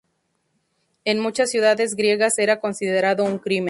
En muchas ciudades griegas era considerado un crimen.